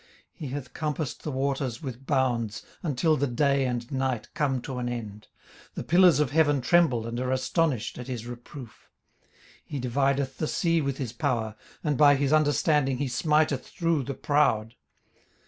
18:026:010 He hath compassed the waters with bounds, until the day and night come to an end. 18:026:011 The pillars of heaven tremble and are astonished at his reproof. 18:026:012 He divideth the sea with his power, and by his understanding he smiteth through the proud.